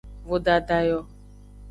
Vodada yo.